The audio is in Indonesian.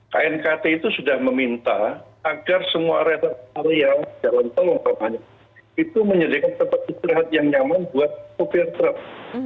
knkt itu sudah meminta agar semua rest area jalan tol umpamanya itu menyediakan tempat istirahat yang nyaman buat sopir truk